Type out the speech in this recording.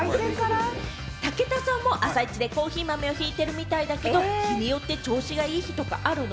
武田さんも朝いちでコーヒー豆をひいてるみたいだけど、日によって調子がいい日とかあるの？